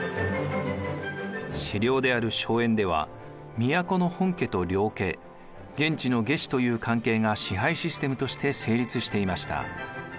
私領である荘園では都の本家と領家現地の下司という関係が支配システムとして成立していました。